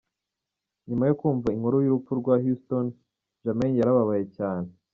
Nyuma yo kumva inkuru y’urupfu rwa Houston, Jermaine yarababaye cyane.